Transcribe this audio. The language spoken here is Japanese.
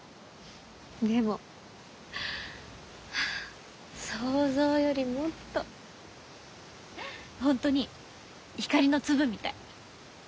でもはあ想像よりもっと本当に光の粒みたい。